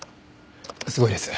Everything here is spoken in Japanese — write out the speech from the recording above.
すごいです。